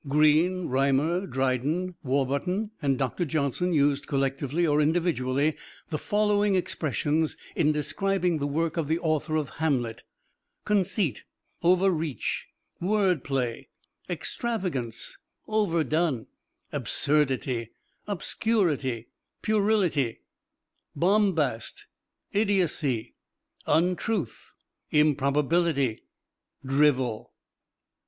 Greene, Rymer, Dryden, Warburton and Doctor Johnson used collectively or individually the following expressions in describing the work of the author of "Hamlet": conceit, overreach, word play, extravagance, overdone, absurdity, obscurity, puerility, bombast, idiocy, untruth, improbability, drivel.